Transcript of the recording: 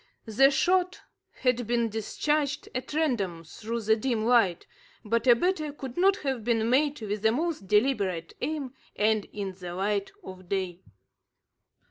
The shot had been discharged at random through the dim light, but a better could not have been made with the most deliberate aim, and in the light of day.